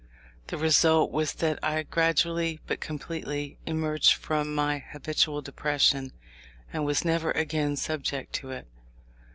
The result was that I gradually, but completely, emerged from my habitual depression, and was never again subject to it.